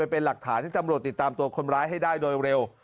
เป็นหลักฐานที่ตำรวจติดตามตัวคนร้ายให้ได้โดยเร็ว